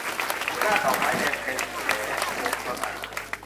หมู่บ้านดอกไม้แดง - เพ็ญแข วงศ์สง่า